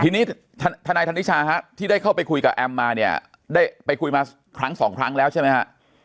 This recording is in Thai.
ทีนี้ทนายธนิชาฮะที่ได้เข้าไปคุยกับแอมมาเนี่ยได้ไปคุยมาครั้งสองครั้งแล้วใช่ไหมฮะ